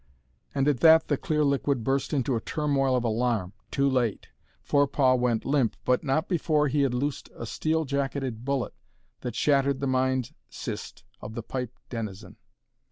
And at that the clear liquid burst into a turmoil of alarm. Too late. Forepaugh went limp, but not before he had loosed a steel jacketed bullet that shattered the mind cyst of the pipe denizen.